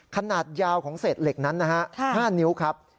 ขนาดยาวของเศษเหล็กนั้นนะฮะ๕นิ้วครับ